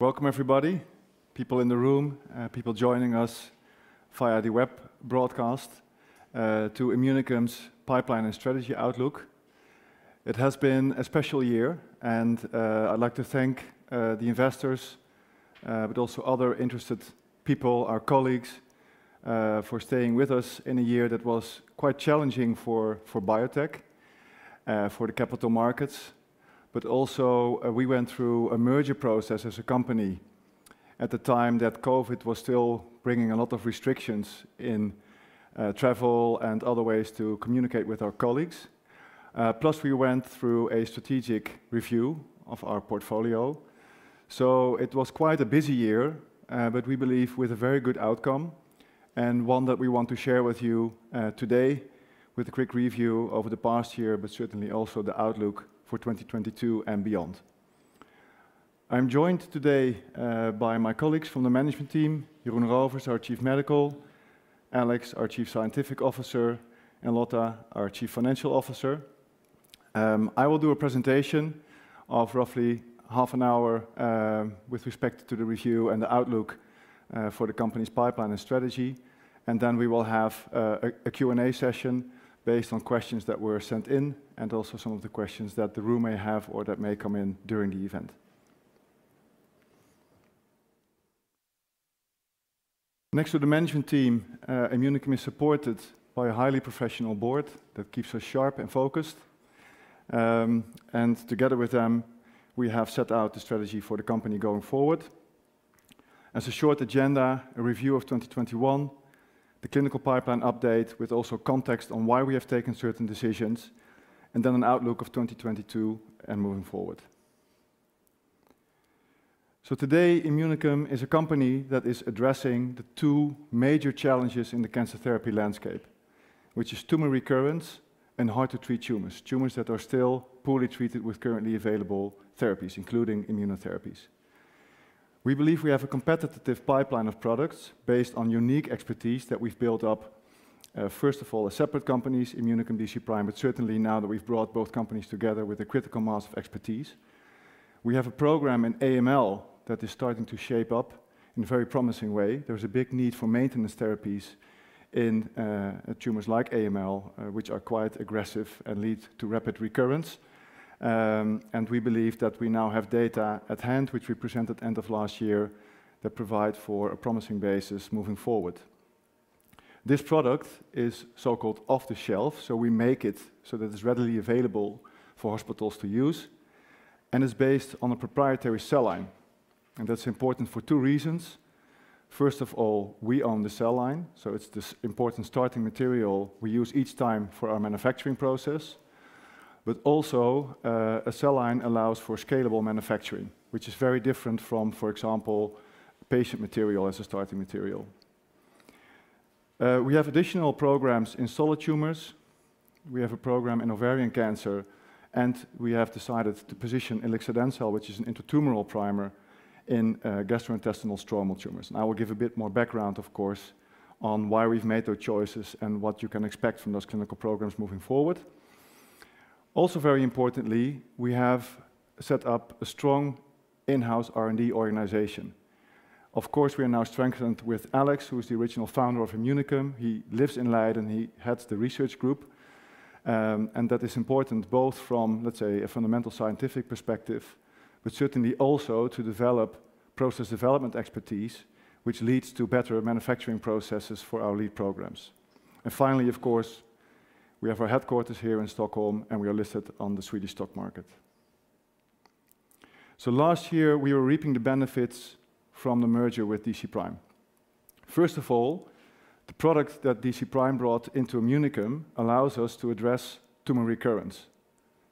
Welcome everybody, people in the room, people joining us via the web broadcast, to Immunicum's pipeline and strategy outlook. It has been a special year and, I'd like to thank the investors, but also other interested people, our colleagues, for staying with us in a year that was quite challenging for biotech, for the capital markets. We went through a merger process as a company at the time that COVID was still bringing a lot of restrictions in travel and other ways to communicate with our colleagues. Plus we went through a strategic review of our portfolio. It was quite a busy year, but we believe with a very good outcome, and one that we want to share with you today with a quick review over the past year, but certainly also the outlook for 2022 and beyond. I'm joined today by my colleagues from the management team, Jeroen Rovers, our Chief Medical Officer, Alex, our Chief Scientific Officer, and Lotte, our Chief Financial Officer. I will do a presentation of roughly half an hour with respect to the review and the outlook for the company's pipeline and strategy. Then we will have a Q&A session based on questions that were sent in and also some of the questions that the room may have or that may come in during the event. Next to the management team, Immunicum is supported by a highly professional board that keeps us sharp and focused. Together with them, we have set out the strategy for the company going forward. As a short agenda, a review of 2021, the clinical pipeline update with also context on why we have taken certain decisions, and then an outlook of 2022 and moving forward. Today, Immunicum is a company that is addressing the two major challenges in the cancer therapy landscape, which is tumor recurrence and hard to treat tumors that are still poorly treated with currently available therapies, including immunotherapies. We believe we have a competitive pipeline of products based on unique expertise that we've built up, first of all, as separate companies, Immunicum, DCprime, but certainly now that we've brought both companies together with a critical mass of expertise. We have a program in AML that is starting to shape up in a very promising way. There is a big need for maintenance therapies in tumors like AML, which are quite aggressive and lead to rapid recurrence. We believe that we now have data at hand, which we presented end of last year, that provide for a promising basis moving forward. This product is so-called off the shelf, so we make it so that it's readily available for hospitals to use and is based on a proprietary cell line. That's important for two reasons. First of all, we own the cell line, so it's this important starting material we use each time for our manufacturing process. A cell line allows for scalable manufacturing, which is very different from, for example, patient material as a starting material. We have additional programs in solid tumors. We have a program in ovarian cancer, and we have decided to position ilixadencel, which is an intratumoral primer in gastrointestinal stromal tumors. I will give a bit more background, of course, on why we've made those choices and what you can expect from those clinical programs moving forward. Also, very importantly, we have set up a strong in-house R&D organization. Of course, we are now strengthened with Alex, who is the original founder of Immunicum. He lives in Leiden, he heads the research group. That is important both from, let's say, a fundamental scientific perspective, but certainly also to develop process development expertise, which leads to better manufacturing processes for our lead programs. Finally, of course, we have our headquarters here in Stockholm, and we are listed on Nasdaq Stockholm. Last year, we were reaping the benefits from the merger with DCprime. First of all, the product that DCprime brought into Immunicum allows us to address tumor recurrence.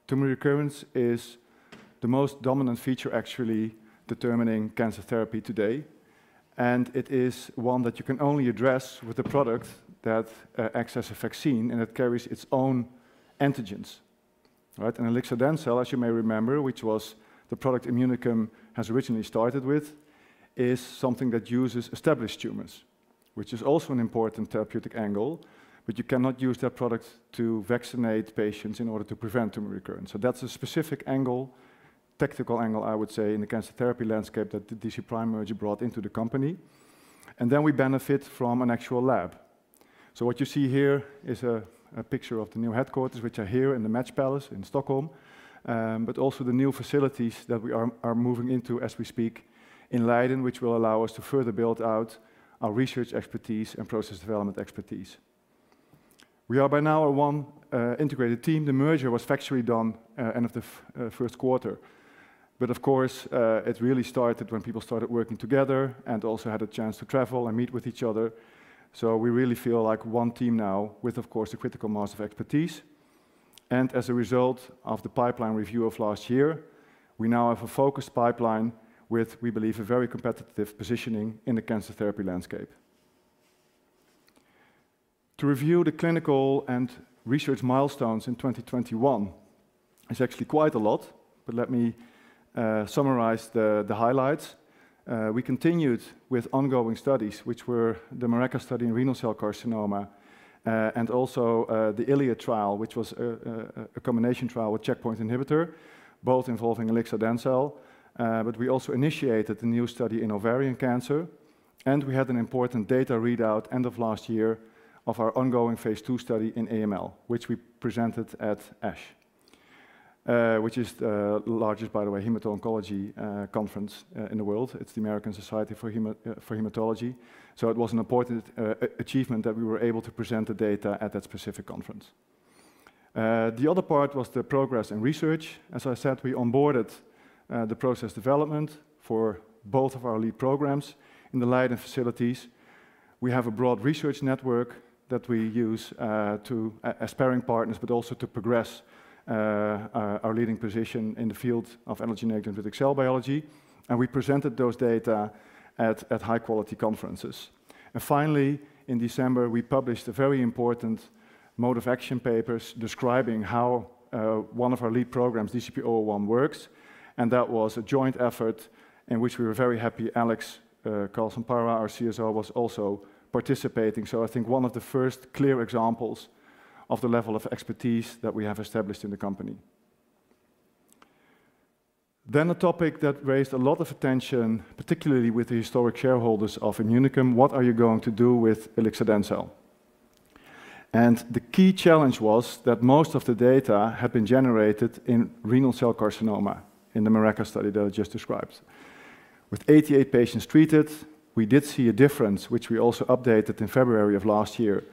Tumor recurrence is the most dominant feature actually determining cancer therapy today, and it is one that you can only address with a product that acts as a vaccine, and it carries its own antigens, right? Il ixadencel, as you may remember, which was the product Immunicum has originally started with, is something that uses established tumors, which is also an important therapeutic angle, but you cannot use that product to vaccinate patients in order to prevent tumor recurrence. That's a specific angle, technical angle, I would say, in the cancer therapy landscape that the DCprime merger brought into the company. Then we benefit from an actual lab. What you see here is a picture of the new headquarters, which are here in the Matchstick Palace in Stockholm, but also the new facilities that we are moving into as we speak in Leiden, which will allow us to further build out our research expertise and process development expertise. We are by now an integrated team. The merger was factually done end of the first quarter. Of course, it really started when people started working together and also had a chance to travel and meet with each other. We really feel like one team now with, of course, a critical mass of expertise. As a result of the pipeline review of last year, we now have a focused pipeline with, we believe, a very competitive positioning in the cancer therapy landscape. To review the clinical and research milestones in 2021. It's actually quite a lot, but let me summarize the highlights. We continued with ongoing studies, which were the MERECA study in renal cell carcinoma, and also the ILIAD trial, which was a combination trial with checkpoint inhibitor, both involving ilixadencel. But we also initiated a new study in ovarian cancer, and we had an important data readout end of last year of our ongoing phase II study in AML, which we presented at ASH, which is the largest, by the way, hemato-oncology conference in the world. It's the American Society of Hematology. It was an important achievement that we were able to present the data at that specific conference. The other part was the progress in research. As I said, we onboarded the process development for both of our lead programs in the Leiden facilities. We have a broad research network that we use to as partnering partners, but also to progress our leading position in the field of immunogenic cell death biology, and we presented those data at high-quality conferences. Finally, in December, we published a very important mechanism of action papers describing how one of our lead programs, DCP-001, works, and that was a joint effort in which we were very happy Alex Karlsson-Parra, our CSO, was also participating. I think one of the first clear examples of the level of expertise that we have established in the company. A topic that raised a lot of attention, particularly with the historic shareholders of Immunicum, what are you going to do with ilixadencel? The key challenge was that most of the data had been generated in renal cell carcinoma in the MERECA study that I just described. With 88 patients treated, we did see a difference, which we also updated in February of last year,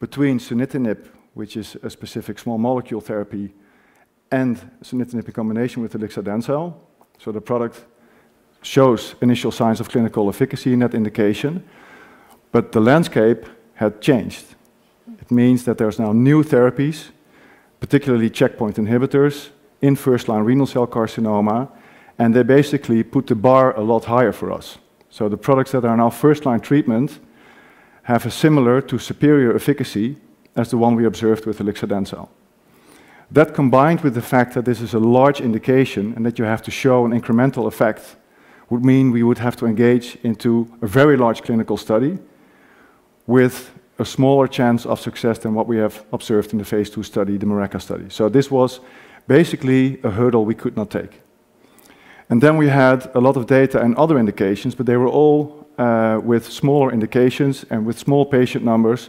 between sunitinib, which is a specific small molecule therapy, and sunitinib in combination with ilixadencel. The product shows initial signs of clinical efficacy in that indication. The landscape had changed. It means that there's now new therapies, particularly checkpoint inhibitors in first-line renal cell carcinoma, and they basically put the bar a lot higher for us. The products that are now first-line treatment have a similar to superior efficacy as the one we observed with ilixadencel. That, combined with the fact that this is a large indication and that you have to show an incremental effect, would mean we would have to engage into a very large clinical study with a smaller chance of success than what we have observed in the phase II study, the MERECA study. This was basically a hurdle we could not take. Then we had a lot of data and other indications, but they were all with smaller indications and with small patient numbers.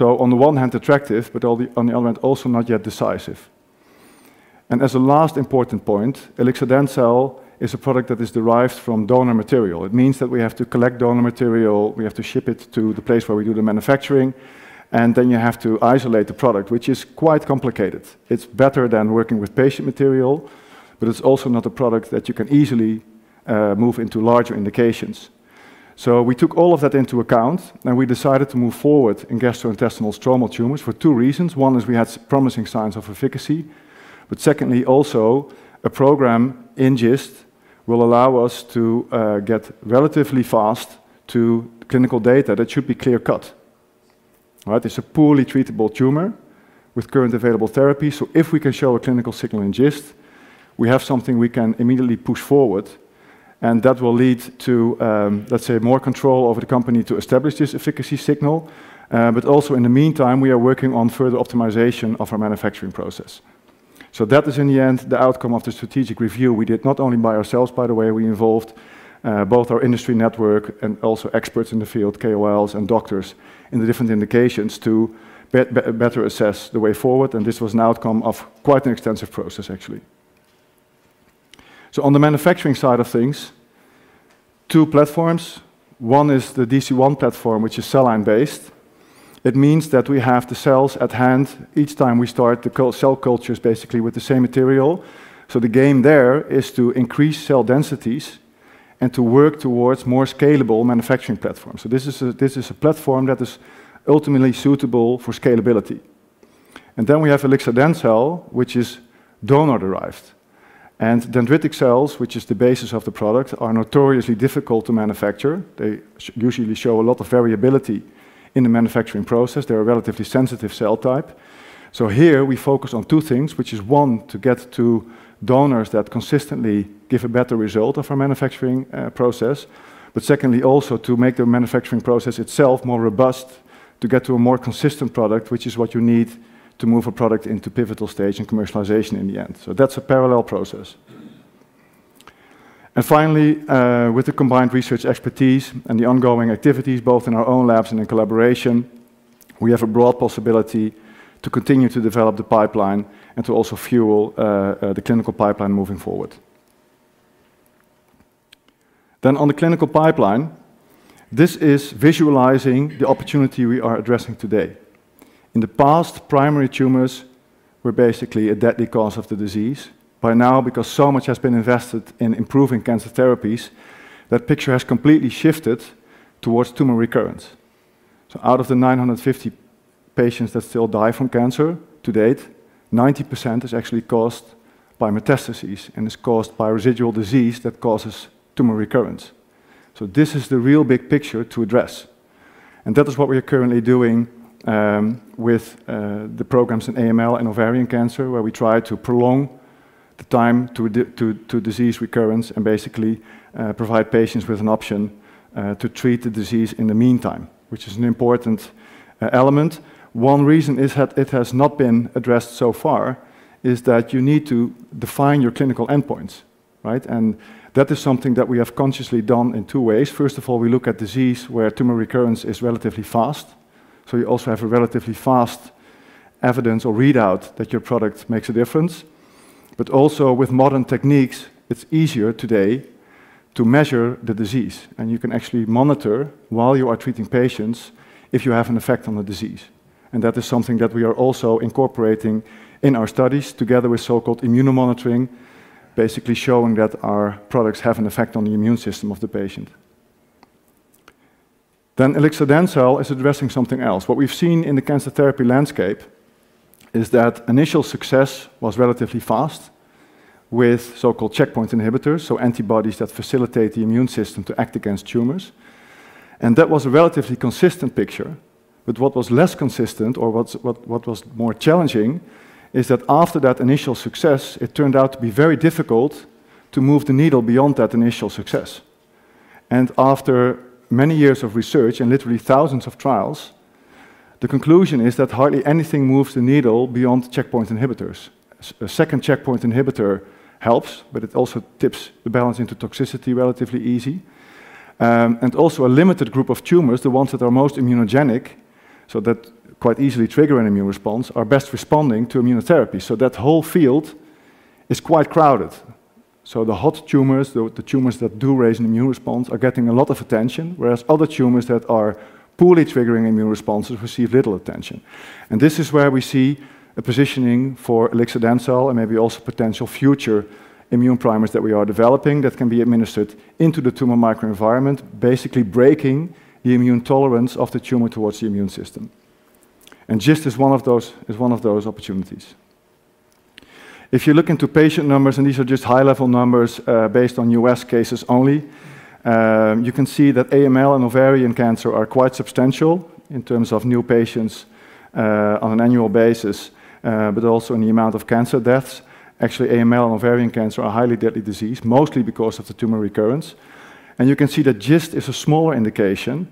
On the one hand, attractive, but on the other hand, also not yet decisive. As a last important point, ilixadencel is a product that is derived from donor material. It means that we have to collect donor material, we have to ship it to the place where we do the manufacturing, and then you have to isolate the product, which is quite complicated. It's better than working with patient material, but it's also not a product that you can easily move into larger indications. We took all of that into account, and we decided to move forward in gastrointestinal stromal tumors for two reasons. One is we had promising signs of efficacy. Secondly, also a program in GIST will allow us to get relatively fast to clinical data that should be clear-cut, right? It's a poorly treatable tumor with current available therapy, so if we can show a clinical signal in GIST, we have something we can immediately push forward, and that will lead to, let's say, more control over the company to establish this efficacy signal. Also in the meantime, we are working on further optimization of our manufacturing process. That is, in the end, the outcome of the strategic review we did not only by ourselves, by the way, we involved both our industry network and also experts in the field, KOLs, and doctors in the different indications to better assess the way forward, and this was an outcome of quite an extensive process actually. On the manufacturing side of things, two platforms. One is the DCOne platform, which is cell-line-based. It means that we have the cells at hand each time we start the cell cultures, basically with the same material. The game there is to increase cell densities and to work towards more scalable manufacturing platforms. This is a platform that is ultimately suitable for scalability. Then we have ilixadencel, which is donor derived. Dendritic cells, which is the basis of the product, are notoriously difficult to manufacture. They usually show a lot of variability in the manufacturing process. They're a relatively sensitive cell type. Here we focus on two things, which is one, to get to donors that consistently give a better result of our manufacturing process. Secondly, also to make the manufacturing process itself more robust, to get to a more consistent product, which is what you need to move a product into pivotal stage and commercialization in the end. That's a parallel process. Finally, with the combined research expertise and the ongoing activities both in our own labs and in collaboration, we have a broad possibility to continue to develop the pipeline and to also fuel the clinical pipeline moving forward. On the clinical pipeline, this is visualizing the opportunity we are addressing today. In the past, primary tumors were basically a deadly cause of the disease. By now, because so much has been invested in improving cancer therapies, that picture has completely shifted towards tumor recurrence. Out of the 950 patients that still die from cancer to date, 90% is actually caused by metastases and is caused by residual disease that causes tumor recurrence. This is the real big picture to address, and that is what we are currently doing with the programs in AML and ovarian cancer, where we try to prolong the time to disease recurrence and basically provide patients with an option to treat the disease in the meantime, which is an important element. One reason is that it has not been addressed so far is that you need to define your clinical endpoints, right? That is something that we have consciously done in two ways. First of all, we look at disease where tumor recurrence is relatively fast. You also have a relatively fast evidence or readout that your product makes a difference. Also with modern techniques, it's easier today to measure the disease, and you can actually monitor while you are treating patients if you have an effect on the disease. That is something that we are also incorporating in our studies together with so-called immunomonitoring, basically showing that our products have an effect on the immune system of the patient. Ilxadencel is addressing something else. What we've seen in the cancer therapy landscape is that initial success was relatively fast with so-called checkpoint inhibitors, so antibodies that facilitate the immune system to act against tumors. That was a relatively consistent picture. What was less consistent or what was more challenging is that after that initial success, it turned out to be very difficult to move the needle beyond that initial success. After many years of research and literally thousands of trials, the conclusion is that hardly anything moves the needle beyond checkpoint inhibitors. A second checkpoint inhibitor helps, but it also tips the balance into toxicity relatively easy. A limited group of tumors, the ones that are most immunogenic, so that quite easily trigger an immune response, are best responding to immunotherapy. That whole field is quite crowded. The hot tumors, the tumors that do raise an immune response are getting a lot of attention, whereas other tumors that are poorly triggering immune responses receive little attention. This is where we see a positioning for ilixadencel and maybe also potential future immune primers that we are developing that can be administered into the tumor microenvironment, basically breaking the immune tolerance of the tumor towards the immune system. Just as one of those opportunities. If you look into patient numbers, and these are just high-level numbers, based on U.S. cases only, you can see that AML and ovarian cancer are quite substantial in terms of new patients, on an annual basis, but also in the amount of cancer deaths. Actually, AML and ovarian cancer are highly deadly disease, mostly because of the tumor recurrence. You can see that GIST is a smaller indication,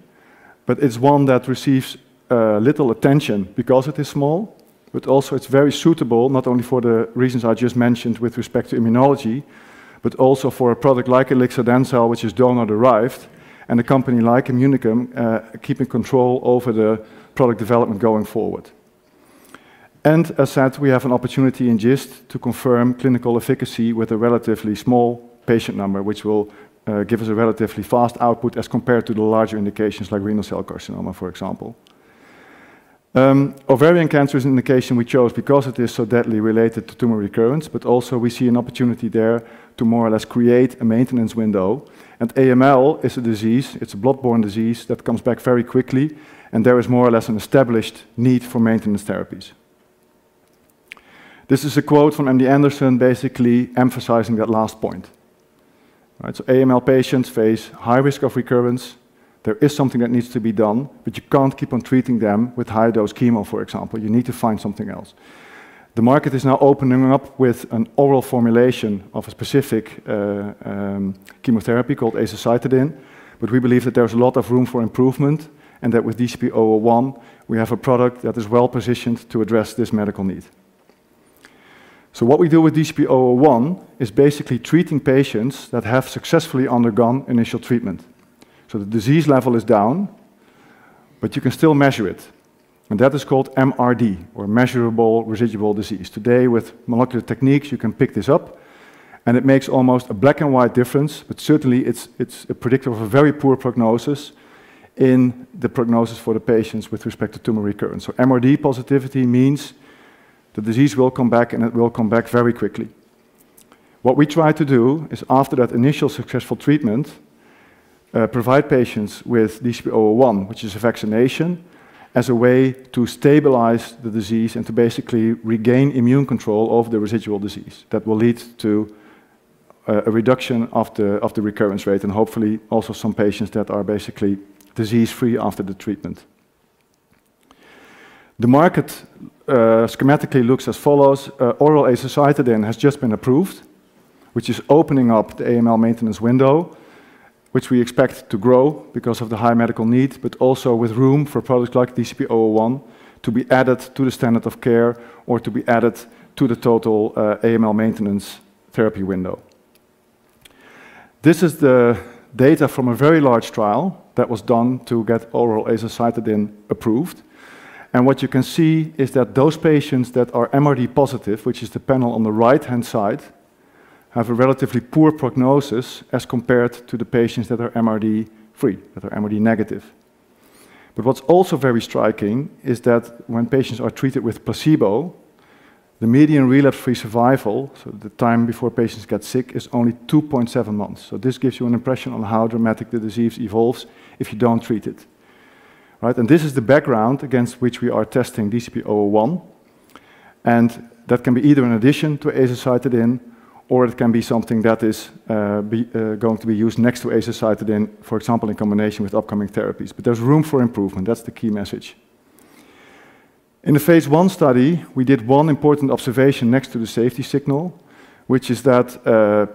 but it's one that receives little attention because it is small, but also it's very suitable, not only for the reasons I just mentioned with respect to immunology, but also for a product like ilixadencel, which is donor-derived, and a company like Immunicum keeping control over the product development going forward. As said, we have an opportunity in GIST to confirm clinical efficacy with a relatively small patient number, which will give us a relatively fast output as compared to the larger indications like renal cell carcinoma, for example. Ovarian cancer is an indication we chose because it is so deadly related to tumor recurrence, but also we see an opportunity there to more or less create a maintenance window. AML is a disease, it's a blood-borne disease that comes back very quickly, and there is more or less an established need for maintenance therapies. This is a quote from MD Anderson basically emphasizing that last point, right? AML patients face high risk of recurrence. There is something that needs to be done, but you can't keep on treating them with high-dose chemo, for example. You need to find something else. The market is now opening up with an oral formulation of a specific chemotherapy called azacitidine, but we believe that there's a lot of room for improvement and that with DCP-001, we have a product that is well-positioned to address this medical need. What we do with DCP-001 is basically treating patients that have successfully undergone initial treatment. The disease level is down, but you can still measure it, and that is called MRD, or measurable residual disease. Today, with molecular techniques, you can pick this up, and it makes almost a black and white difference, but certainly it's a predictor of a very poor prognosis for the patients with respect to tumor recurrence. MRD positivity means the disease will come back, and it will come back very quickly. What we try to do is, after that initial successful treatment, provide patients with DCP-001, which is a vaccination, as a way to stabilize the disease and to basically regain immune control of the residual disease. That will lead to a reduction of the recurrence rate and hopefully also some patients that are basically disease-free after the treatment. The market schematically looks as follows. Oral azacitidine has just been approved, which is opening up the AML maintenance window, which we expect to grow because of the high medical need, but also with room for a product like DCP-001 to be added to the standard of care or to be added to the total, AML maintenance therapy window. This is the data from a very large trial that was done to get oral azacitidine approved. What you can see is that those patients that are MRD positive, which is the panel on the right-hand side, have a relatively poor prognosis as compared to the patients that are MRD free, that are MRD negative. What's also very striking is that when patients are treated with placebo, the median relapse-free survival, so the time before patients get sick, is only 2.7 months. This gives you an impression on how dramatic the disease evolves if you don't treat it, right? This is the background against which we are testing DCP-001. That can be either in addition to azacitidine, or it can be something that is going to be used next to azacitidine, for example, in combination with upcoming therapies. There's room for improvement. That's the key message. In the phase I study, we did one important observation next to the safety signal, which is that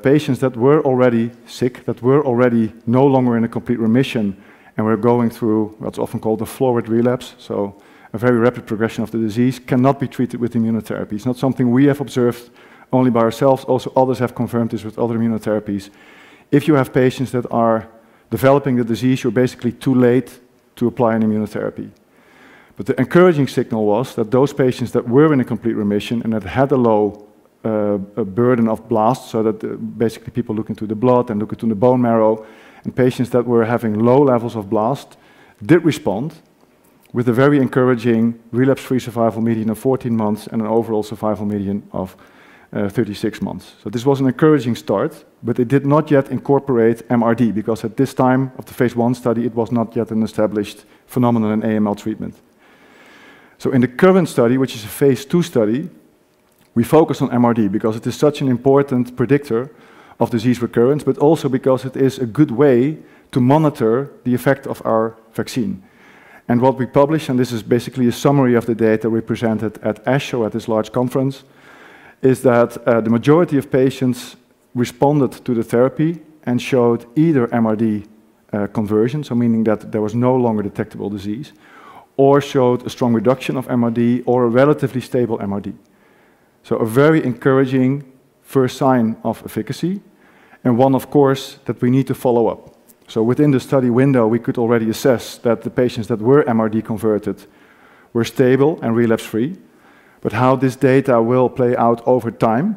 patients that were already sick, that were already no longer in a complete remission and were going through what's often called a florid relapse, so a very rapid progression of the disease, cannot be treated with immunotherapy. It's not something we have observed only by ourselves. Also, others have confirmed this with other immunotherapies. If you have patients that are developing the disease, you're basically too late to apply an immunotherapy. The encouraging signal was that those patients that were in a complete remission and that had a low burden of blasts, so that basically people look into the blood and look into the bone marrow, and patients that were having low levels of blast did respond with a very encouraging relapse-free survival median of 14 months and an overall survival median of 36 months. This was an encouraging start, but it did not yet incorporate MRD because at this time of the phase I study, it was not yet an established phenomenon in AML treatment. In the current study, which is a phase II study, we focus on MRD because it is such an important predictor of disease recurrence, but also because it is a good way to monitor the effect of our vaccine. What we published, and this is basically a summary of the data we presented at ASH, or at this large conference, is that the majority of patients responded to the therapy and showed either MRD conversion, so meaning that there was no longer detectable disease, or showed a strong reduction of MRD or a relatively stable MRD. A very encouraging first sign of efficacy and one of course, that we need to follow up. Within the study window, we could already assess that the patients that were MRD converted were stable and relapse-free. How this data will play out over time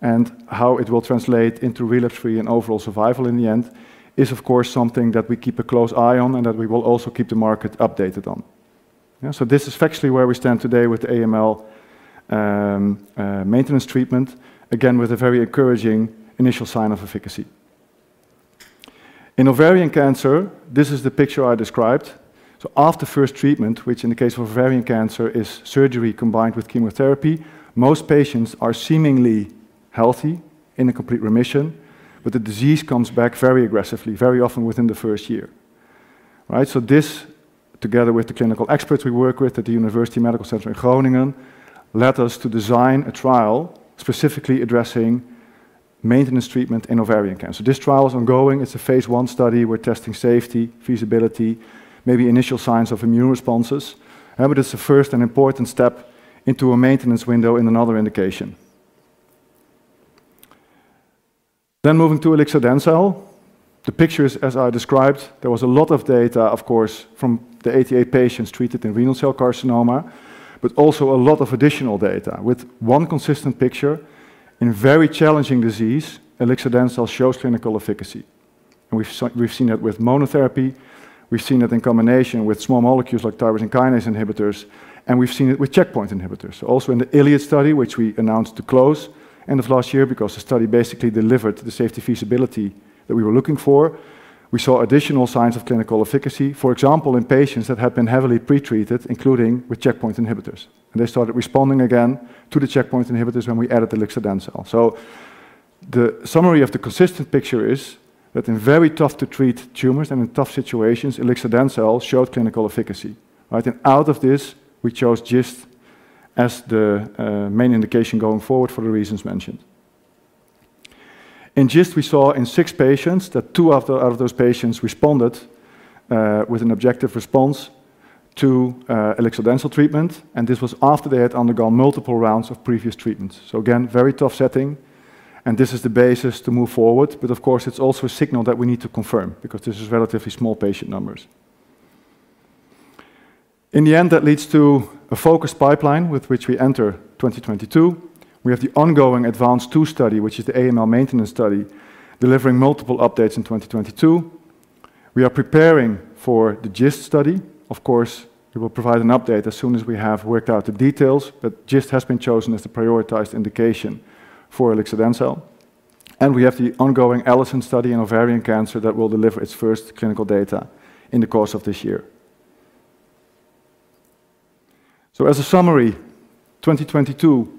and how it will translate into relapse-free and overall survival in the end is of course something that we keep a close eye on and that we will also keep the market updated on. This is factually where we stand today with AML maintenance treatment, again, with a very encouraging initial sign of efficacy. In ovarian cancer, this is the picture I described. After first treatment, which in the case of ovarian cancer is surgery combined with chemotherapy, most patients are seemingly healthy in a complete remission, but the disease comes back very aggressively, very often within the first year, right? This, together with the clinical experts we work with at the University Medical Center Groningen, led us to design a trial specifically addressing maintenance treatment in ovarian cancer. This trial is ongoing. It's a phase I study. We're testing safety, feasibility, maybe initial signs of immune responses. It is the first and important step into a maintenance window in another indication. Moving to ilixadencel. The pictures as I described, there was a lot of data, of course, from the 88 patients treated in renal cell carcinoma, but also a lot of additional data with one consistent picture in very challenging disease ilixadencel shows clinical efficacy. We've seen it with monotherapy. We've seen it in combination with small molecules like tyrosine kinase inhibitors, and we've seen it with checkpoint inhibitors. Also in the ILIAD study, which we announced to close end of last year because the study basically delivered the safety feasibility that we were looking for. We saw additional signs of clinical efficacy, for example, in patients that had been heavily pretreated, including with checkpoint inhibitors. They started responding again to the checkpoint inhibitors when we added ilixadencel. The summary of the consistent picture is that in very tough to treat tumors and in tough situations, ilixadencel showed clinical efficacy, right? Out of this, we chose GIST as the main indication going forward for the reasons mentioned. In GIST we saw in six patients that two of those patients responded with an objective response to ilixadencel treatment, and this was after they had undergone multiple rounds of previous treatments. Again, very tough setting and this is the basis to move forward. Of course it's also a signal that we need to confirm because this is relatively small patient numbers. In the end, that leads to a focused pipeline with which we enter 2022. We have the ongoing ADVANCE II study, which is the AML maintenance study, delivering multiple updates in 2022. We are preparing for the GIST study. Of course, we will provide an update as soon as we have worked out the details, but GIST has been chosen as the prioritized indication for ilixadencel. We have the ongoing ALISON study in ovarian cancer that will deliver its first clinical data in the course of this year. As a summary, 2022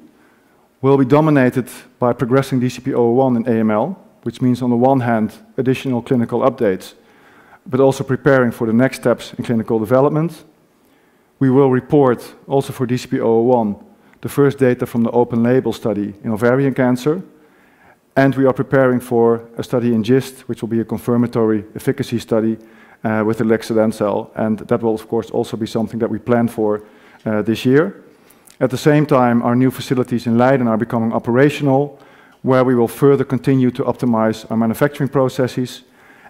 will be dominated by progressing DCP-001 in AML, which means on the one hand additional clinical updates, but also preparing for the next steps in clinical development. We will report also for DCP-001, the first data from the open label study in ovarian cancer. We are preparing for a study in GIST, which will be a confirmatory efficacy study with ilixadencel. That will of course also be something that we plan for this year. At the same time, our new facilities in Leiden are becoming operational, where we will further continue to optimize our manufacturing processes.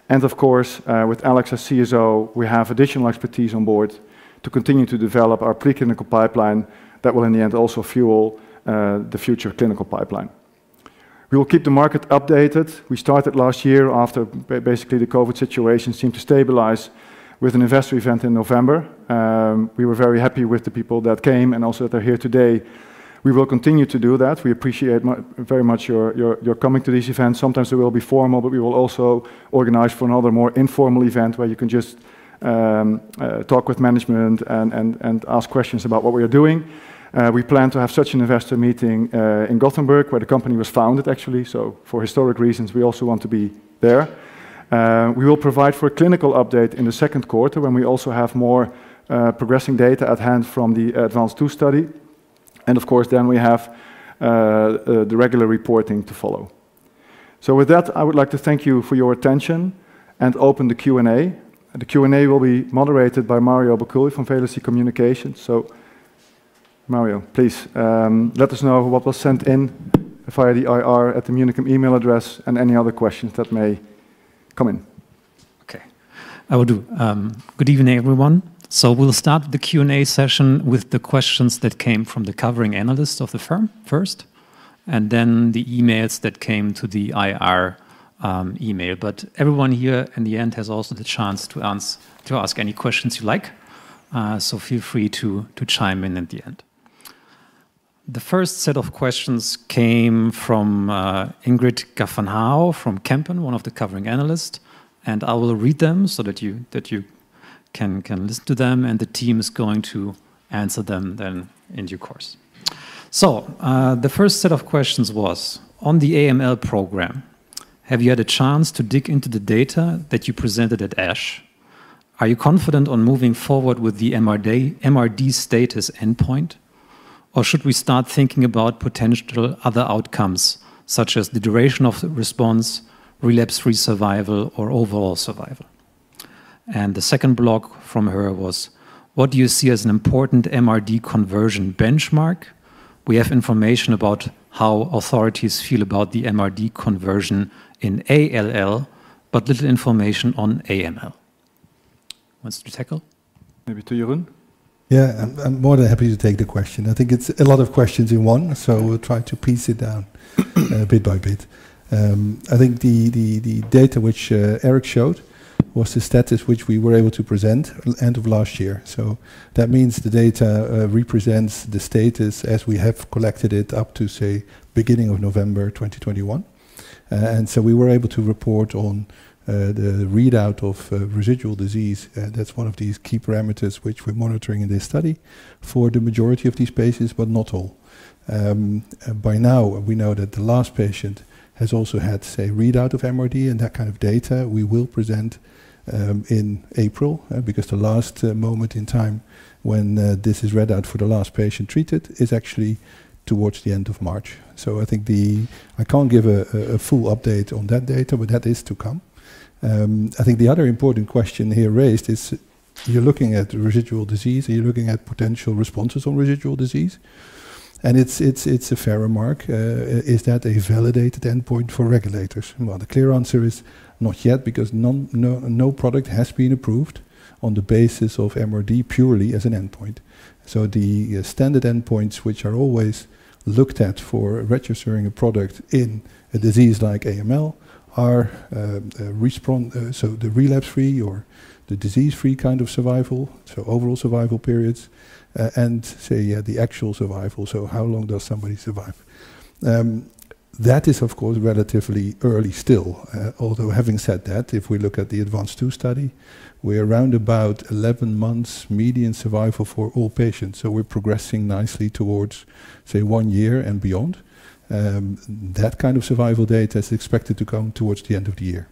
Of course, with Alex as CSO, we have additional expertise on board to continue to develop our preclinical pipeline that will in the end also fuel the future clinical pipeline. We will keep the market updated. We started last year after basically the COVID situation seemed to stabilize with an investor event in November. We were very happy with the people that came and also that are here today. We will continue to do that. We appreciate very much your coming to this event. Sometimes we will be formal, but we will also organize for another more informal event where you can just talk with management and ask questions about what we are doing. We plan to have such an investor meeting in Gothenburg where the company was founded, actually. For historic reasons, we also want to be there. We will provide for a clinical update in the second quarter when we also have more progressing data at hand from the ADVANCE II study, and of course, then we have the regular reporting to follow. With that, I would like to thank you for your attention and open the Q&A. The Q&A will be moderated by Mario Bakouli from Felicity Communications. Mario, please, let us know what was sent in via the IR at the Immunicum email address and any other questions that may come in. Okay. I will do. Good evening, everyone. We'll start the Q&A session with the questions that came from the covering analysts of the firm first, and then the emails that came to the IR email. But everyone here in the end has also the chance to ask any questions you like, so feel free to chime in at the end. The first set of questions came from Ingrid Gafvelin from Kempen, one of the covering analysts, and I will read them so that you can listen to them and the team is going to answer them then in due course. The first set of questions was: On the AML program, have you had a chance to dig into the data that you presented at ASH? Are you confident on moving forward with the MRD status endpoint, or should we start thinking about potential other outcomes such as the duration of the response, relapse-free survival, or overall survival? The second question from her was: What do you see as an important MRD conversion benchmark? We have information about how authorities feel about the MRD conversion in ALL, but little information on AML. Want to tackle? Maybe to Jeroen. Yeah. I'm more than happy to take the question. I think it's a lot of questions in one, so we'll try to break it down bit by bit. I think the data which Erik showed was the status which we were able to present end of last year. That means the data represents the status as we have collected it up to, say, beginning of November 2021. We were able to report on the readout of residual disease. That's one of these key parameters which we're monitoring in this study for the majority of these patients, but not all. By now we know that the last patient has also had, say, readout of MRD and that kind of data we will present in April because the last moment in time when this is read out for the last patient treated is actually towards the end of March. I think I can't give a full update on that data, but that is to come. I think the other important question here raised is you're looking at residual disease, you're looking at potential responses on residual disease, and it's a fair remark. Is that a validated endpoint for regulators? Well, the clear answer is not yet because no product has been approved on the basis of MRD purely as an endpoint. The standard endpoints, which are always looked at for registering a product in a disease like AML, are the relapse-free or the disease-free kind of survival, overall survival periods, and, say, the actual survival, so how long does somebody survive? That is of course relatively early still. Although having said that, if we look at the ADVANCE II study, we're around about 11 months median survival for all patients. We're progressing nicely towards, say, one year and beyond. That kind of survival data is expected to come towards the end of the year.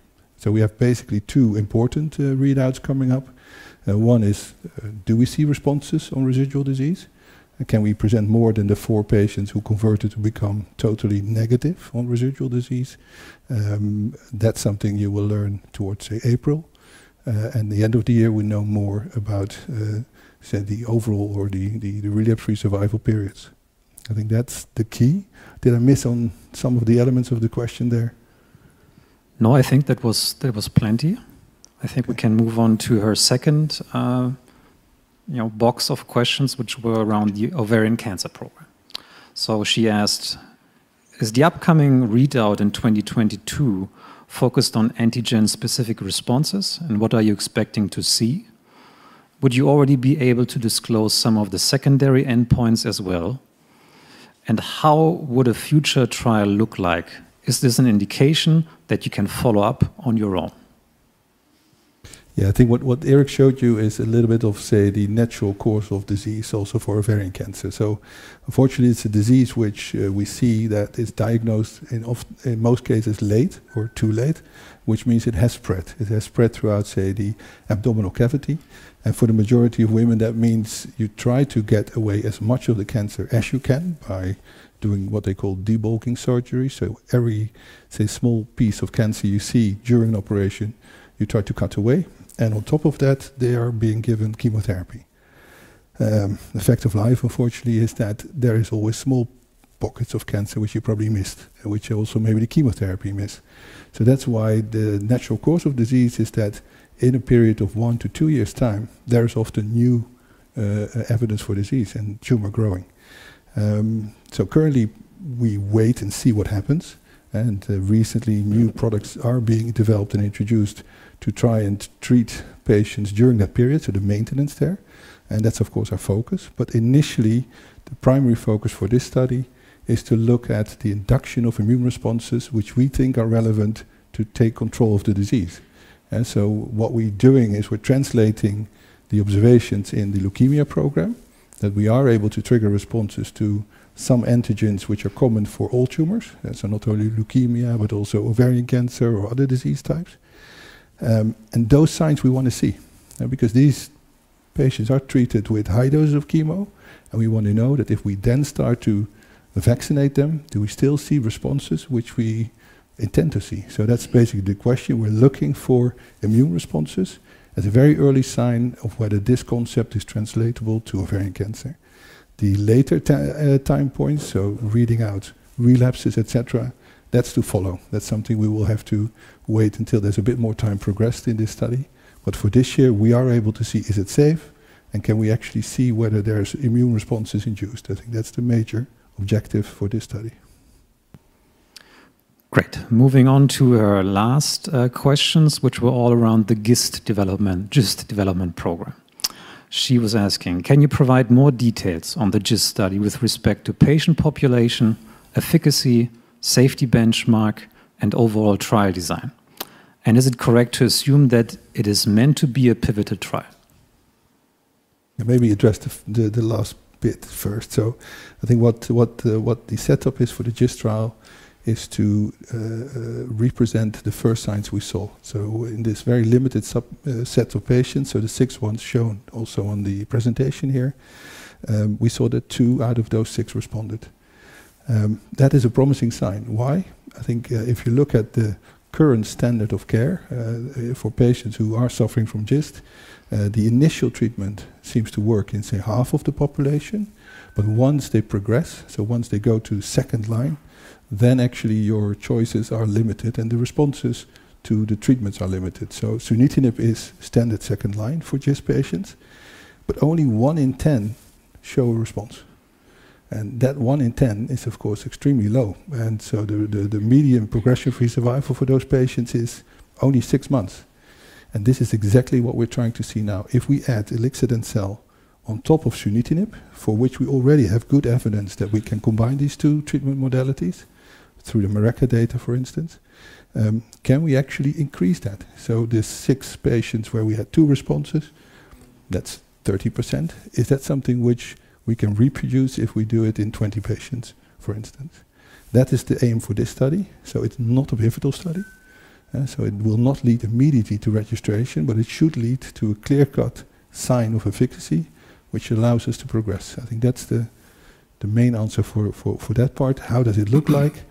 We have basically two important readouts coming up. One is, do we see responses on residual disease? Can we present more than the four patients who converted to become totally negative on residual disease? That's something you will learn towards, say, April. By the end of the year we know more about, say the overall or the relapse-free survival periods. I think that's the key. Did I miss on some of the elements of the question there? No, I think that was plenty. I think we can move on to her second, you know, box of questions which were around the ovarian cancer program. She asked, is the upcoming readout in 2022 focused on antigen-specific responses, and what are you expecting to see? Would you already be able to disclose some of the secondary endpoints as well? And how would a future trial look like? Is this an indication that you can follow up on your own? Yeah. I think what Erik showed you is a little bit of, say, the natural course of disease also for ovarian cancer. Unfortunately, it's a disease which we see that is diagnosed in most cases late or too late, which means it has spread. It has spread throughout, say, the abdominal cavity. For the majority of women, that means you try to get away as much of the cancer as you can by doing what they call debulking surgery. Every, say, small piece of cancer you see during operation, you try to cut away. On top of that, they are being given chemotherapy. The fact of life unfortunately is that there is always small pockets of cancer which you probably missed, which also maybe the chemotherapy missed. That's why the natural course of disease is that in a period of one-two years' time, there is often new evidence for disease and tumor growing. Currently we wait and see what happens, and recently new products are being developed and introduced to try and treat patients during that period, so the maintenance there, and that's of course our focus. Initially, the primary focus for this study is to look at the induction of immune responses which we think are relevant to take control of the disease. What we're doing is we're translating the observations in the leukemia program that we are able to trigger responses to some antigens which are common for all tumors, so not only leukemia, but also ovarian cancer or other disease types. Those signs we wanna see, because these patients are treated with high dose of chemo, and we wanna know that if we then start to vaccinate them, do we still see responses which we intend to see? That's basically the question. We're looking for immune responses as a very early sign of whether this concept is translatable to ovarian cancer. The later time point, so reading out relapses, et cetera, that's to follow. That's something we will have to wait until there's a bit more time progressed in this study. For this year, we are able to see is it safe, and can we actually see whether there's immune responses induced? I think that's the major objective for this study. Great. Moving on to our last questions, which were all around the GIST development program. She was asking, can you provide more details on the GIST study with respect to patient population, efficacy, safety benchmark, and overall trial design? And is it correct to assume that it is meant to be a pivotal trial? Maybe address the last bit first. I think what the setup is for the GIST trial is to represent the first signs we saw. In this very limited subset of patients, the six shown also on the presentation here, we saw that two out of those six responded. That is a promising sign. Why? I think if you look at the current standard of care for patients who are suffering from GIST, the initial treatment seems to work in, say, half of the population. Once they progress, once they go to second line, then actually your choices are limited and the responses to the treatments are limited. Sunitinib is standard second line for GIST patients, but only one in ten show a response, and that one in ten is of course extremely low. The median progression-free survival for those patients is only six months, and this is exactly what we're trying to see now. If we add ilixadencel on top of sunitinib, for which we already have good evidence that we can combine these two treatment modalities through the MERECA data, for instance, can we actually increase that? The six patients where we had two responses, that's 30%. Is that something which we can reproduce if we do it in 20 patients, for instance? That is the aim for this study, so it's not a pivotal study. It will not lead immediately to registration, but it should lead to a clear-cut sign of efficacy which allows us to progress. I think that's the main answer for that part. How does it look like?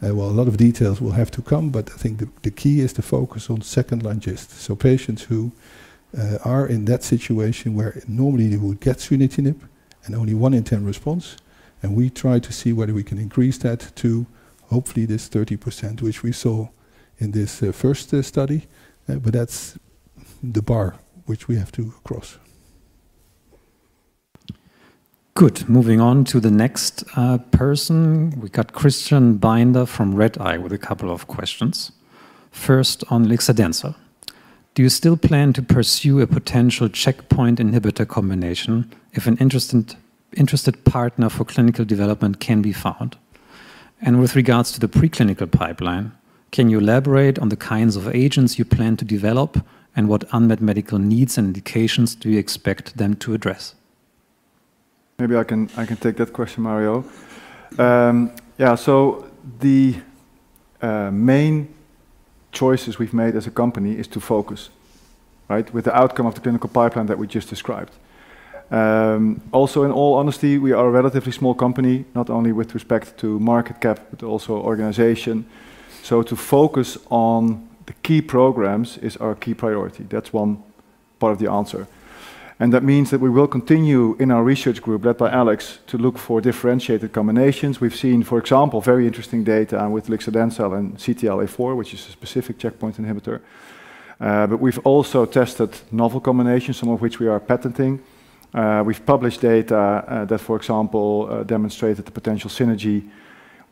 Well, a lot of details will have to come, but I think the key is to focus on second-line GISTs. Patients who are in that situation where normally they would get sunitinib and only one in 10 response, and we try to see whether we can increase that to hopefully this 30%, which we saw in this first study. But that's the bar which we have to cross. Good. Moving on to the next person. We got Christian Binder from Redeye with a couple of questions. First, on ilixadencel, do you still plan to pursue a potential checkpoint inhibitor combination if an interested partner for clinical development can be found? And with regards to the preclinical pipeline, can you elaborate on the kinds of agents you plan to develop and what unmet medical needs and indications do you expect them to address? I can take that question, Mario. The main choices we've made as a company is to focus, right, with the outcome of the clinical pipeline that we just described. Also, in all honesty, we are a relatively small company, not only with respect to market cap, but also organization. To focus on the key programs is our key priority. That's one part of the answer. That means that we will continue in our research group, led by Alex, to look for differentiated combinations. We've seen, for example, very interesting data with ilixadencel and CTLA-4, which is a specific checkpoint inhibitor. But we've also tested novel combinations, some of which we are patenting. We've published data that, for example, demonstrated the potential synergy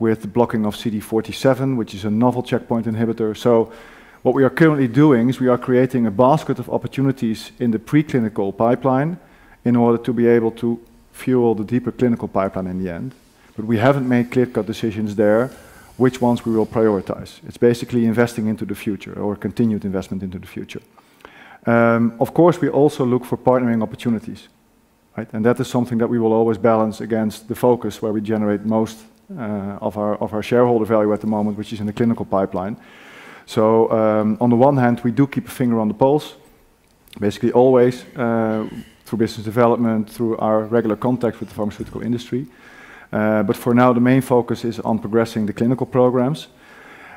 with blocking of CD47, which is a novel checkpoint inhibitor. What we are currently doing is we are creating a basket of opportunities in the preclinical pipeline in order to be able to fuel the deeper clinical pipeline in the end. We haven't made clear-cut decisions there which ones we will prioritize. It's basically investing into the future or continued investment into the future. Of course, we also look for partnering opportunities, right? That is something that we will always balance against the focus where we generate most of our shareholder value at the moment, which is in the clinical pipeline. On the one hand, we do keep a finger on the pulse, basically always, through business development, through our regular contact with the pharmaceutical industry. For now, the main focus is on progressing the clinical programs.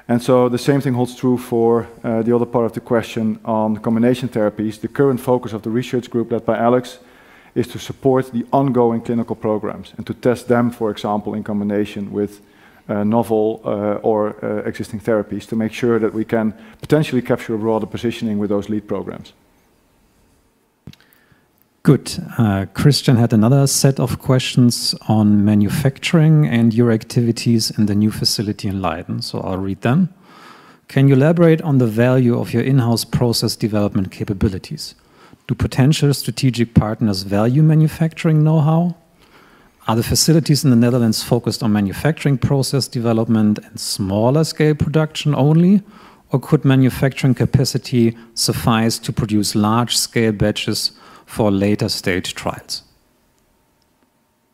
The same thing holds true for the other part of the question on combination therapies. The current focus of the research group led by Alex is to support the ongoing clinical programs and to test them, for example, in combination with novel or existing therapies to make sure that we can potentially capture a broader positioning with those lead programs. Good. Christian had another set of questions on manufacturing and your activities in the new facility in Leiden. I'll read them. Can you elaborate on the value of your in-house process development capabilities to potential strategic partners value manufacturing know-how? Are the facilities in the Netherlands focused on manufacturing process development and smaller scale production only, or could manufacturing capacity suffice to produce large scale batches for later stage trials?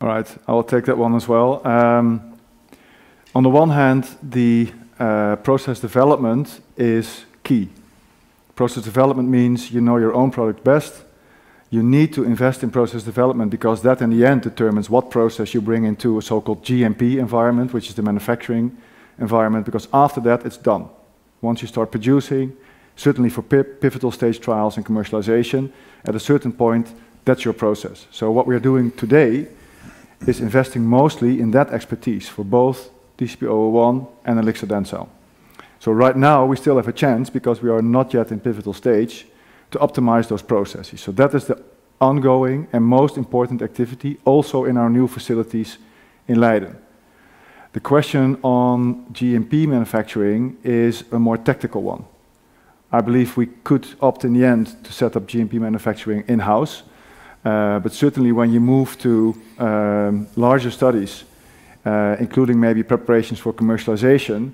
All right, I will take that one as well. On the one hand, the process development is key. Process development means you know your own product best. You need to invest in process development because that in the end determines what process you bring into a so-called GMP environment, which is the manufacturing environment, because after that it's done. Once you start producing, certainly for pivotal stage trials and commercialization, at a certain point, that's your process. What we are doing today is investing mostly in that expertise for both DCP-001 and ilixadencel. Right now we still have a chance because we are not yet in pivotal stage to optimize those processes. That is the ongoing and most important activity also in our new facilities in Leiden. The question on GMP manufacturing is a more tactical one. I believe we could opt in the end to set up GMP manufacturing in-house. Certainly when you move to larger studies, including maybe preparations for commercialization,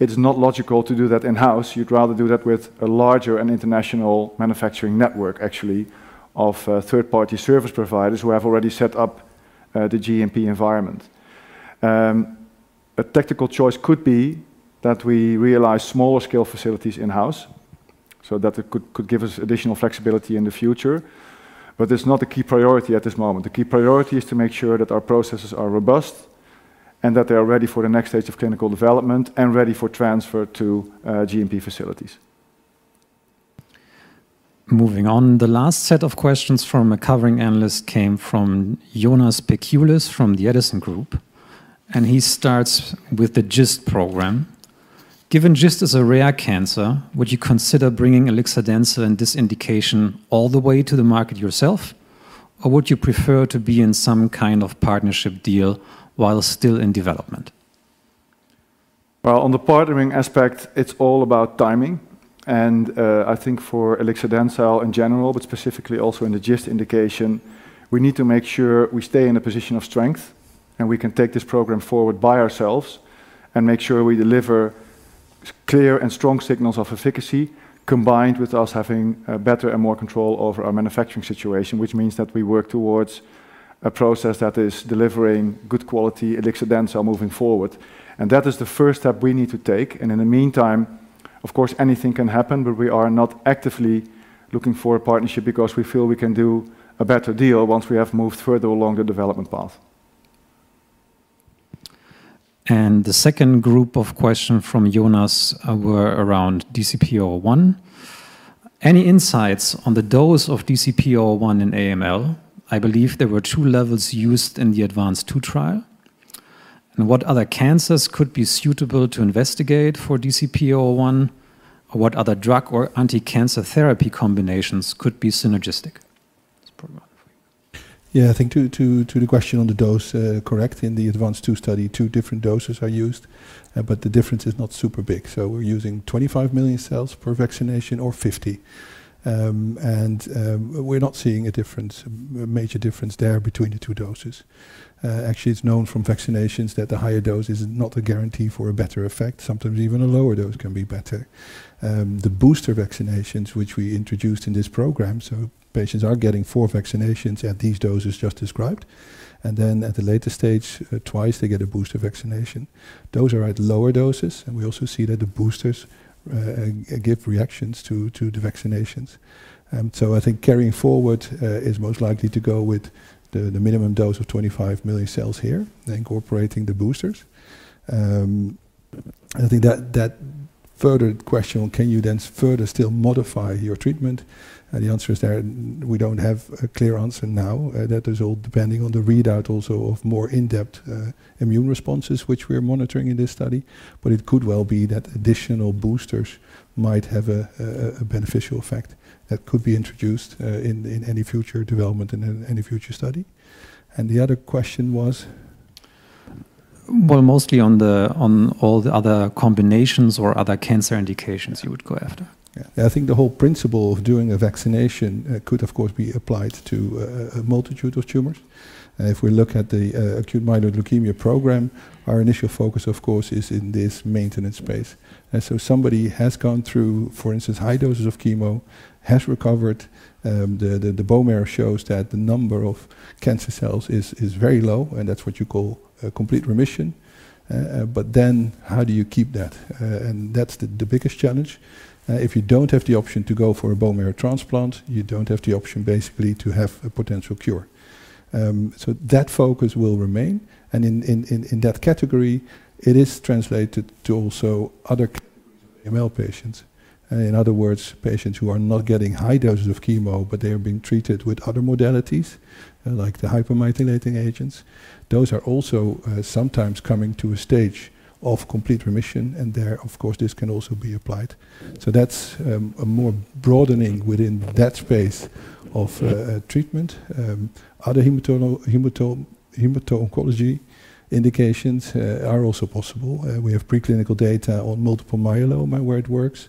it's not logical to do that in-house. You'd rather do that with a larger and international manufacturing network actually of third party service providers who have already set up the GMP environment. A tactical choice could be that we realize smaller scale facilities in-house so that it could give us additional flexibility in the future. It's not a key priority at this moment. The key priority is to make sure that our processes are robust and that they're ready for the next stage of clinical development and ready for transfer to GMP facilitie Moving on. The last set of questions from a covering analyst came from Jonas Peciulis from the Edison Group, and he starts with the GIST program. Given GIST is a rare cancer, would you consider bringing ilixadencel in this indication all the way to the market yourself, or would you prefer to be in some kind of partnership deal while still in development? Well, on the partnering aspect, it's all about timing and, I think for ilixadencel in general, but specifically also in the GIST indication, we need to make sure we stay in a position of strength and we can take this program forward by ourselves and make sure we deliver clear and strong signals of efficacy combined with us having, better and more control over our manufacturing situation, which means that we work towards a process that is delivering good quality ilixadencel moving forward. That is the first step we need to take. In the meantime, of course anything can happen, but we are not actively looking for a partnership because we feel we can do a better deal once we have moved further along the development path. The second group of questions from Jonas were around DCP-001. Any insights on the dose of DCP-001 in AML? I believe there were two levels used in the ADVANCE II trial, and what other cancers could be suitable to investigate for DCP-001 or what other drug or anti-cancer therapy combinations could be synergistic? That's probably for you. Yeah, I think to the question on the dose, correct. In the ADVANCE II study, two different doses are used. The difference is not super big. We're using 25 million cells per vaccination or 50. We're not seeing a difference, a major difference there between the two doses. Actually it's known from vaccinations that the higher dose is not a guarantee for a better effect. Sometimes even a lower dose can be better. The booster vaccinations, which we introduced in this program, patients are getting four vaccinations at these doses just described, and then at the later stage, twice they get a booster vaccination. Those are at lower doses. We also see that the boosters give reactions to the vaccinations. I think carrying forward is most likely to go with the minimum dose of 25 million cells here, incorporating the boosters. I think that further question, can you then further still modify your treatment? The answer is there. We don't have a clear answer now. That is all depending on the readout also of more in-depth immune responses which we are monitoring in this study. But it could well be that additional boosters might have a beneficial effect that could be introduced in any future development in any future study. The other question was? Well, mostly on all the other combinations or other cancer indications you would go after. Yeah. I think the whole principle of doing a vaccination could of course be applied to a multitude of tumors. If we look at the acute myeloid leukemia program, our initial focus, of course, is in this maintenance space. Somebody has gone through, for instance, high doses of chemo, has recovered, the bone marrow shows that the number of cancer cells is very low, and that's what you call a complete remission. How do you keep that? That's the biggest challenge. If you don't have the option to go for a bone marrow transplant, you don't have the option basically to have a potential cure. That focus will remain and in that category it is translated to also other AML patients. In other words, patients who are not getting high doses of chemo, but they are being treated with other modalities, like the hypomethylating agents. Those are also sometimes coming to a stage of complete remission, and there, of course, this can also be applied. That's a more broadening within that space of treatment. Other hemato-oncology indications are also possible. We have preclinical data on multiple myeloma where it works,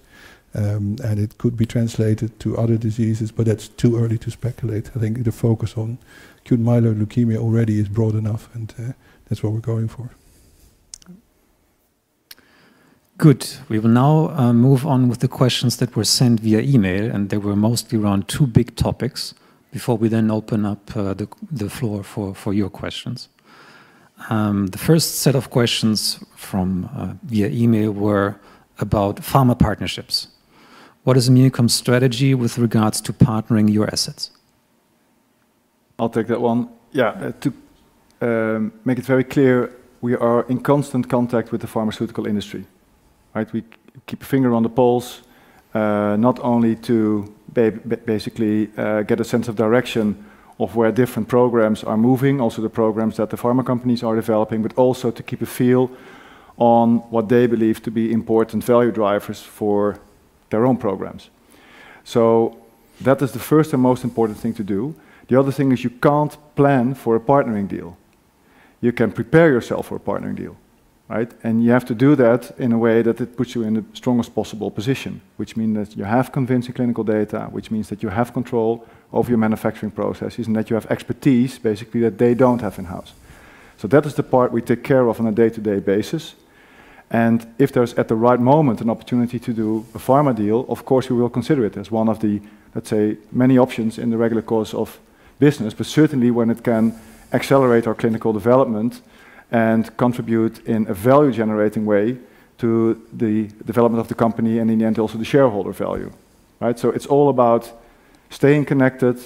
and it could be translated to other diseases, but that's too early to speculate. I think the focus on acute myeloid leukemia already is broad enough, and that's what we're going for. Good. We will now move on with the questions that were sent via email, and they were mostly around two big topics, before we then open up the floor for your questions. The first set of questions from via email were about pharma partnerships. What is Immunicum's strategy with regards to partnering your assets? I'll take that one. Yeah. To make it very clear, we are in constant contact with the pharmaceutical industry, right? We keep a finger on the pulse, not only to basically get a sense of direction of where different programs are moving, also the programs that the pharma companies are developing, but also to keep a feel on what they believe to be important value drivers for their own programs. That is the first and most important thing to do. The other thing is you can't plan for a partnering deal. You can prepare yourself for a partnering deal, right? You have to do that in a way that it puts you in the strongest possible position, which mean that you have convincing clinical data, which means that you have control of your manufacturing processes, and that you have expertise, basically, that they don't have in-house. That is the part we take care of on a day-to-day basis, and if there's, at the right moment, an opportunity to do a pharma deal, of course, we will consider it as one of the, let's say, many options in the regular course of business. Certainly when it can accelerate our clinical development and contribute in a value-generating way to the development of the company and in the end also the shareholder value, right? It's all about staying connected,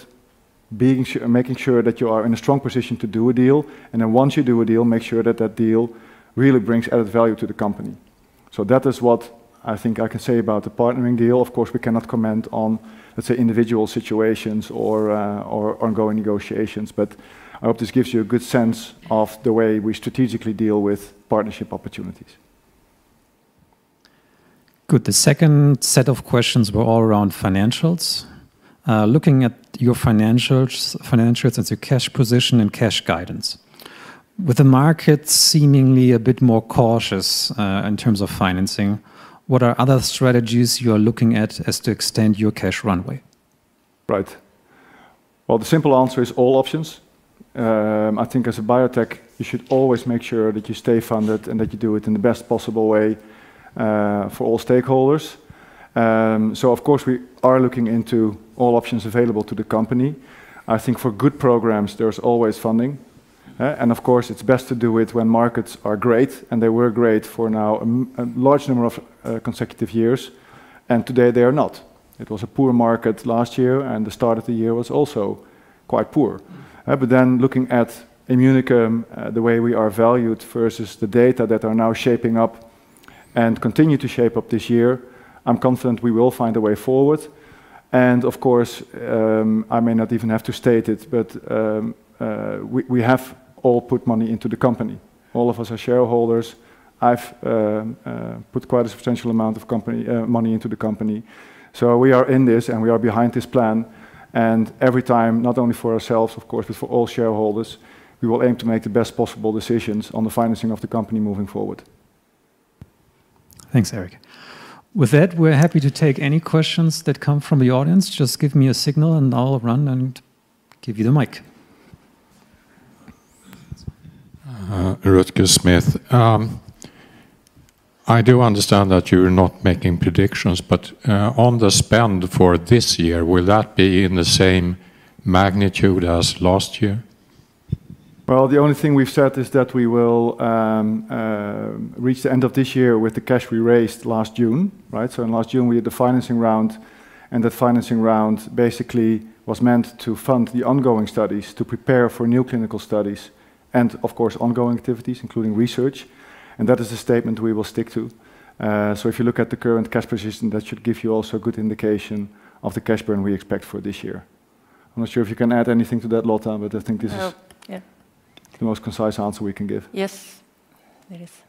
making sure that you are in a strong position to do a deal, and then once you do a deal, make sure that that deal really brings added value to the company. That is what I think I can say about the partnering deal. Of course, we cannot comment on, let's say, individual situations or ongoing negotiations, but I hope this gives you a good sense of the way we strategically deal with partnership opportunities. Good. The second set of questions were all around financials. Looking at your financials and your cash position and cash guidance. With the market seemingly a bit more cautious, in terms of financing, what are other strategies you are looking at as to extend your cash runway? Right. Well, the simple answer is all options. I think as a biotech, you should always make sure that you stay funded and that you do it in the best possible way, for all stakeholders. So of course, we are looking into all options available to the company. I think for good programs, there's always funding, and of course, it's best to do it when markets are great, and they were great for a large number of consecutive years, and today they are not. It was a poor market last year, and the start of the year was also quite poor. Then looking at Immunicum, the way we are valued versus the data that are now shaping up and continue to shape up this year, I'm confident we will find a way forward. Of course, I may not even have to state it, but we have all put money into the company. All of us are shareholders. I've put quite a substantial amount of company money into the company. We are in this, and we are behind this plan, and every time, not only for ourselves, of course, but for all shareholders, we will aim to make the best possible decisions on the financing of the company moving forward. Thanks, Erik. With that, we're happy to take any questions that come from the audience. Just give me a signal, and I'll run and give you the mic. Rutger Smith. I do understand that you're not making predictions, but on the spend for this year, will that be in the same magnitude as last year? Well, the only thing we've said is that we will reach the end of this year with the cash we raised last June, right? In last June, we had the financing round, and that financing round basically was meant to fund the ongoing studies to prepare for new clinical studies and of course, ongoing activities, including research. That is a statement we will stick to. If you look at the current cash position, that should give you also a good indication of the cash burn we expect for this year. I'm not sure if you can add anything to that, Lotta, but I think this is- No. Yeah the most concise answer we can give. Yes. It is.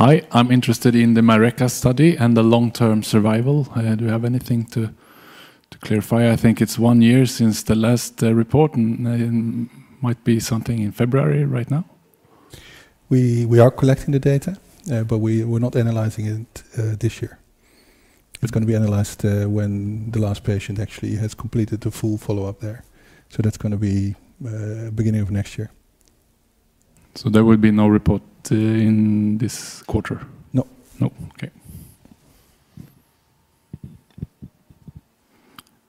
Anyone else? Hi. I'm interested in the MERECA study and the long-term survival. Do you have anything to clarify? I think it's one year since the last report and might be something in February right now. We are collecting the data, but we're not analyzing it this year. It's gonna be analyzed when the last patient actually has completed the full follow-up there. That's gonna be beginning of next year. There will be no report in this quarter? No. No. Okay.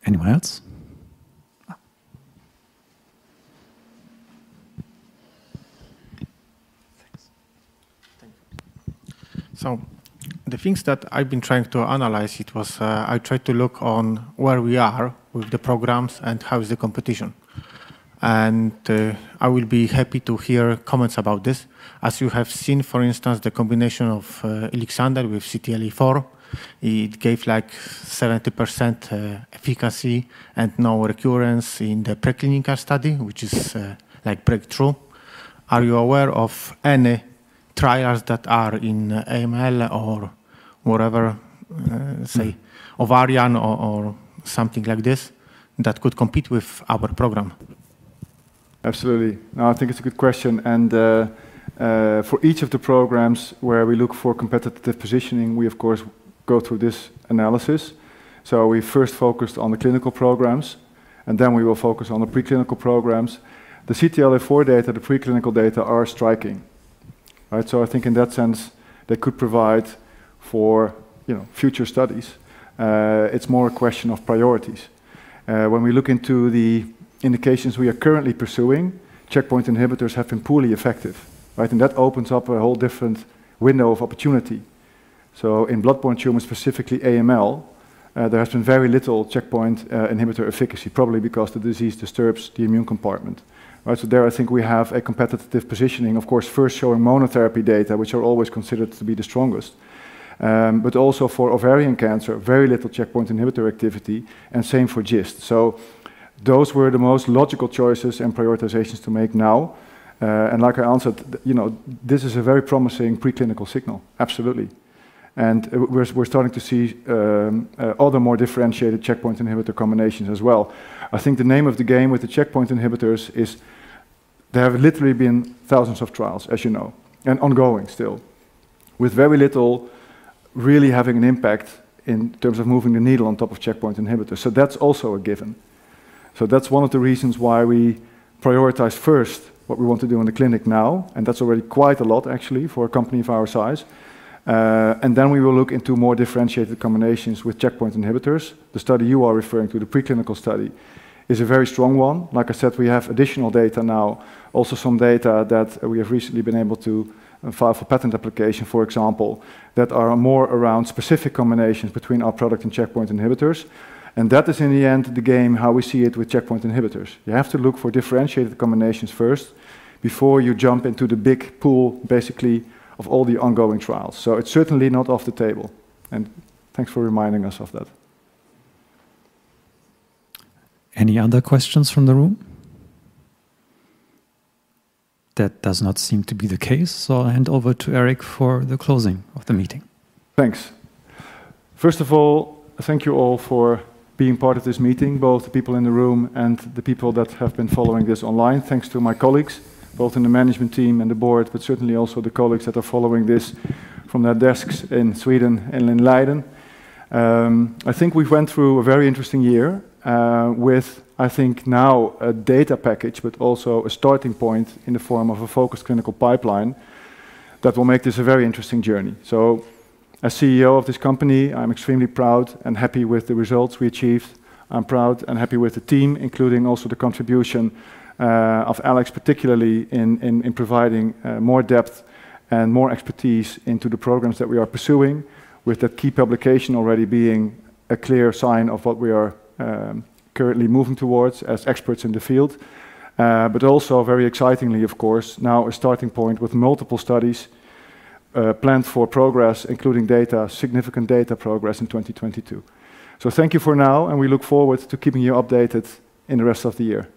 Anyone else? The things that I've been trying to analyze, I tried to look on where we are with the programs and how is the competition. I will be happy to hear comments about this. As you have seen, for instance, the combination of ilixadencel with CTLA-4, it gave like 70% efficacy and no recurrence in the preclinical study, which is like breakthrough. Are you aware of any trials that are in AML or whatever, say ovarian or something like this that could compete with our program? Absolutely. No, I think it's a good question. For each of the programs where we look for competitive positioning, we of course go through this analysis. We first focused on the clinical programs, and then we will focus on the preclinical programs. The CTLA-4 data, the preclinical data are striking, right? I think in that sense, they could provide for, you know, future studies. It's more a question of priorities. When we look into the indications we are currently pursuing, checkpoint inhibitors have been poorly effective, right? That opens up a whole different window of opportunity. In bloodborne tumors, specifically AML, there has been very little checkpoint inhibitor efficacy, probably because the disease disturbs the immune compartment, right? There I think we have a competitive positioning, of course, first showing monotherapy data, which are always considered to be the strongest. Also for ovarian cancer, very little checkpoint inhibitor activity and same for GIST. Those were the most logical choices and prioritizations to make now. Like I answered, you know, this is a very promising preclinical signal, absolutely. We're starting to see other more differentiated checkpoint inhibitor combinations as well. I think the name of the game with the checkpoint inhibitors is there have literally been thousands of trials, as you know, and ongoing still, with very little really having an impact in terms of moving the needle on top of checkpoint inhibitors. That's also a given. That's one of the reasons why we prioritize first what we want to do in the clinic now, and that's already quite a lot actually for a company of our size. Then we will look into more differentiated combinations with checkpoint inhibitors. The study you are referring to, the preclinical study, is a very strong one. Like I said, we have additional data now, also some data that we have recently been able to file for patent application, for example, that are more around specific combinations between our product and checkpoint inhibitors. That is the endgame how we see it with checkpoint inhibitors. You have to look for differentiated combinations first before you jump into the big pool basically of all the ongoing trials. It's certainly not off the table. Thanks for reminding us of that. Any other questions from the room? That does not seem to be the case, so I'll hand over to Erik for the closing of the meeting. Thanks. First of all, thank you all for being part of this meeting, both the people in the room and the people that have been following this online. Thanks to my colleagues, both in the management team and the board, but certainly also the colleagues that are following this from their desks in Sweden and in Leiden. I think we went through a very interesting year, with I think now a data package, but also a starting point in the form of a focused clinical pipeline that will make this a very interesting journey. As CEO of this company, I'm extremely proud and happy with the results we achieved. I'm proud and happy with the team, including also the contribution of Alex particularly in providing more depth and more expertise into the programs that we are pursuing with the key publication already being a clear sign of what we are currently moving towards as experts in the field. But also very excitingly of course, now a starting point with multiple studies planned for progress, including data, significant data progress in 2022. Thank you for now, and we look forward to keeping you updated in the rest of the year.